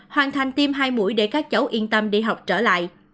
hoàn thành tiêm hai mũi để các cháu yên tâm đi học trở lại